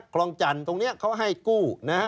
คลองจันทร์ตรงนี้เขาให้กู้นะฮะ